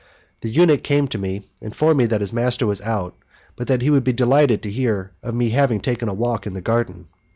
The eunuch came to me, informed me that his master was out, but that he would be delighted to hear of my having taken a walk in the garden.